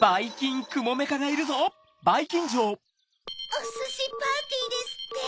おすしパーティーですって！